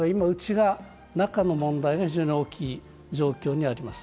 内の問題が非常に大きい状況にあります。